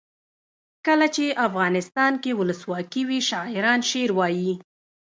کله چې افغانستان کې ولسواکي وي شاعران شعر وايي.